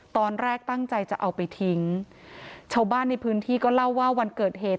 ตอนแรกตั้งใจจะเอาไปทิ้งชาวบ้านในพื้นที่ก็เล่าว่าวันเกิดเหตุ